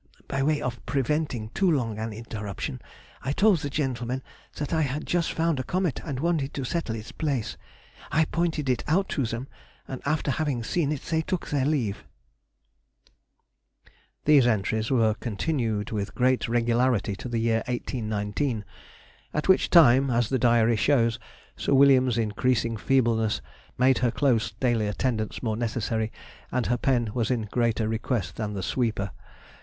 By way of preventing too long an interruption, I told the gentlemen that I had just found a comet, and wanted to settle its place. I pointed it out to them, and after having seen it they took their leave. [Sidenote: 1822. Retrospection.] These entries were continued with great regularity to the year 1819, at which time, as the Diary shows, Sir William's increasing feebleness made her close daily attendance more necessary, and her pen was in greater request than the "sweeper."